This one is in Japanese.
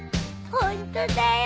ホントだよ！